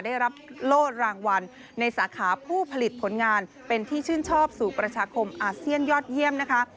ได้รับโลดรางวัลในสาขาผู้ผลิตผลงานเป็นที่ชื่นชอบสู่ประชาคมอาเซียนยอดเยี่ยมนะคะ